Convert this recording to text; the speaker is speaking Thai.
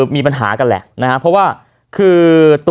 มีปัญหากันแหละนะครับเพราะว่าคือ